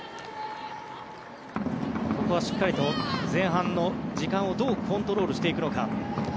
ここはしっかりと前半の時間をどうコントロールしていくのか。